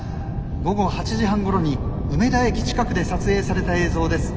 午後８時半ごろに梅田駅近くで撮影された映像です。